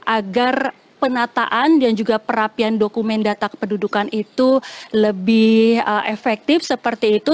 agar penataan dan juga perapian dokumen data kependudukan itu lebih efektif seperti itu